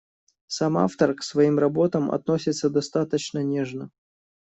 Сам автор к своим работам относится достаточно нежно.